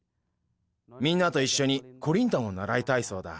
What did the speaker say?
みんなといっしょにコリンタンをならいたいそうだ。